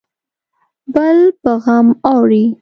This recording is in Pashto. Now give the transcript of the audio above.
بل په غم اړوي